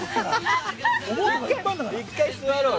１回、座ろう。